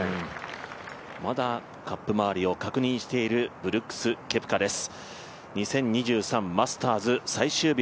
まだカップ周りを確認しているブルックス・ケプカです。